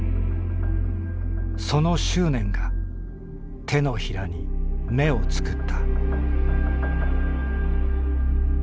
「その執念が手のひらに目を作った」。